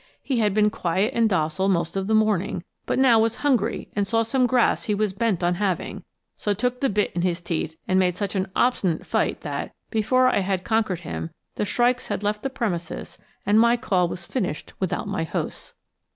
He had been quiet and docile most of the morning, but now was hungry and saw some grass he was bent on having, so took the bit in his teeth and made such an obstinate fight that, before I had conquered him, the shrikes had left the premises and my call was finished without my hosts.